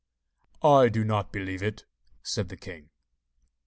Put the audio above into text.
'I don't believe it,' said the king.